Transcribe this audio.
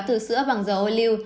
từ sữa bằng dầu ô lưu